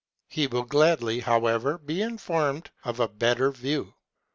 He will gladly, however, be informed of a bet ter view.